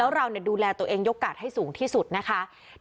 แล้วเราดูแลตัวเองยกกาดให้สูงที่สุดนะคะ